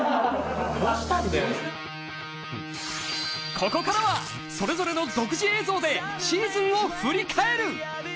ここからはそれぞれの独自映像でシーズンを振り返る！